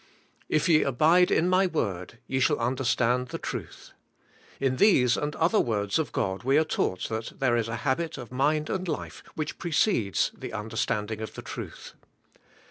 'Ifye abide in my word, ye shall understand the truth:' in these and other words of God we are taught that there is a habit of mind and life which precedes the understanding of the truth.